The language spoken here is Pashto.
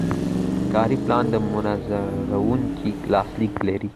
کاري پلان د منظوروونکي لاسلیک لري.